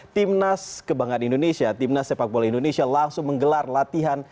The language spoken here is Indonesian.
timnas kebanggaan indonesia timnas sepak bola indonesia langsung menggelar latihan